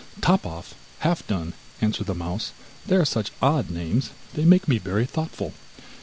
'Top off! Half done!' answered the mouse, 'they are such odd names, they make me very thoughtful.